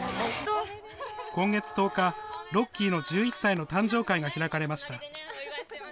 今月１０日、ロッキーの１１歳の誕生会が開かれました。